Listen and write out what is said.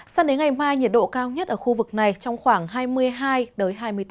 sang đến ngày mai nhiệt độ cao nhất ở khu vực này trong khoảng hai mươi hai hai mươi bốn độ